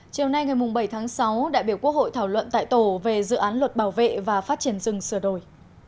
chiều nay ngày bảy tháng sáu đại biểu quốc hội thảo luận tại tổ về dự án luật bảo vệ và phát triển rừng sửa đổi